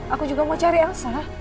aku juga mau cari elsa